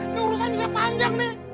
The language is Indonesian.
ini urusan bisa panjang nih